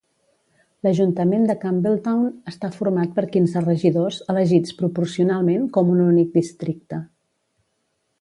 L'ajuntament de Campbelltown està format per quinze regidors elegits proporcionalment com un únic districte.